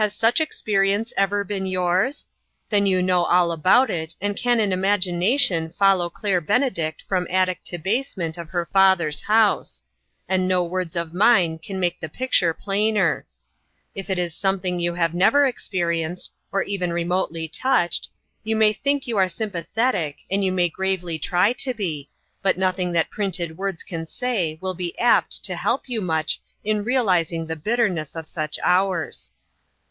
Has such experience ever been yours? Then you know all about it, and can in imagination follow Claire Bene dict from attic to basement of her father's house ; and no words of mine can make the picture plainer. If it is something you have never experienced, or even remotely touched, you may think you are sympathetic, and you may gravely try to be, but nothing that printed words can say will be apt to help you much in realizing the bitterness of such hours.